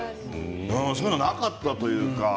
そういうのがなかったというか。